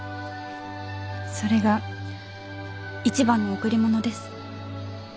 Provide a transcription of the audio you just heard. それが一番の贈り物です。